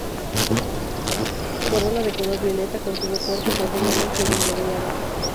Corola de color violeta, con tubo corto, profundamente bilabiado.